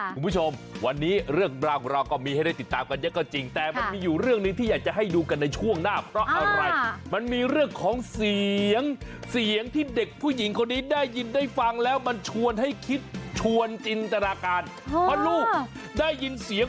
คุณผู้ชมวันนี้เรื่องราวของเราก็มีให้ได้ติดตามกันเยอะก็จริง